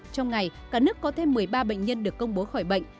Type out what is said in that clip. trong ngày cả nước có thêm một mươi ba bệnh nhân được công bố khỏi bệnh